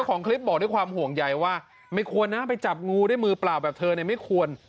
ของคลิปบอกด้วยความห่วงใยว่าไม่ควรนะไปจับงูด้วยมือเปล่าแบบเธอเนี่ยไม่ควร